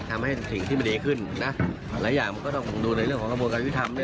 ทำให้สิ่งที่มันดีขึ้นนะหลายอย่างมันก็ต้องดูในเรื่องของกระบวนการยุทธรรมด้วย